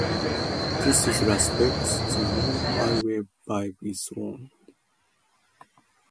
This is Las Vegas, the new Highway Vibe is on!